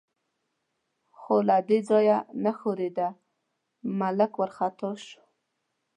خو له دې ځایه نه ښورېده، ملک وارخطا شو.